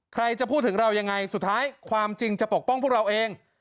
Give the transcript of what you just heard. ใครจะพูดถึงเรายังไงสุดท้ายความจริงจะปกป้องพวกเราเอง